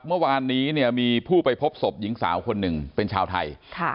เมื่อวานนี้เนี่ยมีผู้ไปพบศพหญิงสาวคนหนึ่งเป็นชาวไทย